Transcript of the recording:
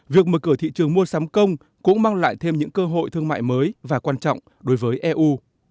việc mở cửa thị trường mua sắm công cũng mang lại thêm những cơ hội thương mại mới và quan trọng đối với eu